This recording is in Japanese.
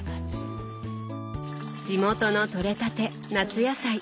地元の取れたて夏野菜。